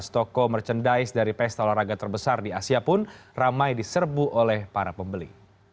toko merchandise dari pesta olahraga terbesar di asia pun ramai diserbu oleh para pembeli